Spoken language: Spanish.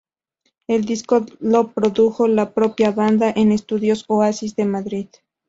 El disco lo produjo la propia banda en "Estudios Oasis" de Madrid.